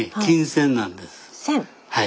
金線なんです。